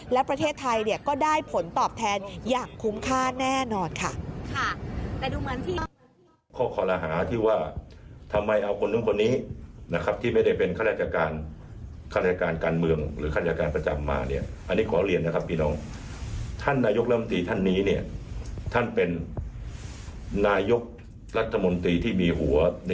และประเทศไทยก็ได้ผลตอบแทนอย่างคุ้มค่าแน่นอนค่ะ